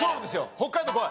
北海道こい！